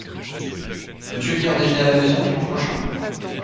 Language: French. Veux-tu venir déjeuner à la maison dimanche prochain?